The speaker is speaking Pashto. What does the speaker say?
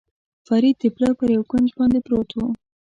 فرید د پله پر یوه کونج باندې پروت و.